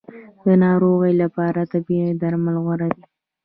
د ناروغۍ لپاره طبیعي درمل غوره دي